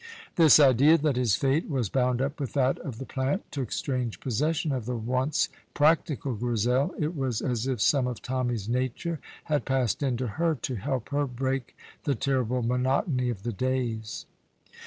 This idea that his fate was bound up with that of the plant took strange possession of the once practical Grizel; it was as if some of Tommy's nature had passed into her to help her break the terrible monotony of the days.